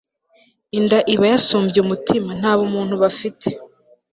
inda iba yasumbye umutima nta bumuntu bafite